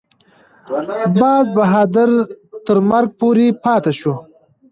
باز بهادر تر مرګه پورې پاته شو.